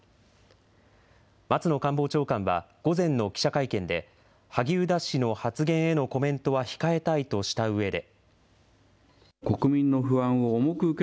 松野官房長官は、午前の記者会見で、萩生田氏の発言へのコメントは控えたいとしたうえで。